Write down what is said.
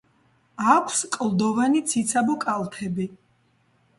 აქვს კლდოვანი ციცაბო კალთები.